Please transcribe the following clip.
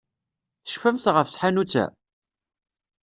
Tecfamt ɣef tḥanut-a?